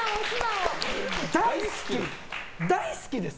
大好きです。